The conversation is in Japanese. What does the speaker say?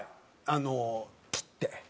あの切って。